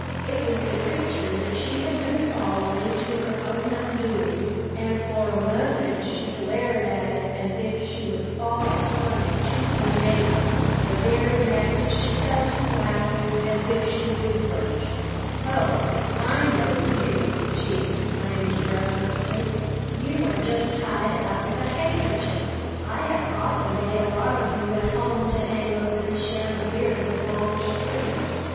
It was the creature that she had been following to her own undoing, and for a moment she glared at it as if she would fall upon it tooth and nail. The very next she fell to laughing as if she would burst. [Illustration: "Oh, I know you! You are just tied out of a handkerchief."] "Oh, I know you!" she exclaimed breathlessly. "You are just tied out of a handkerchief. I have often made a lot of you at home to hang over the chandelier with long strings.